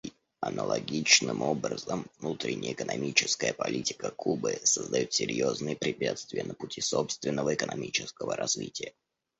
Аналогичным образом, внутренняя экономическая политика Кубы создает серьезные препятствия на пути собственного экономического развития.